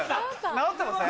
直ってません？